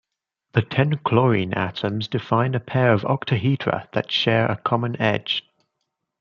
The ten chlorine atoms define a pair of octahedra that share a common edge.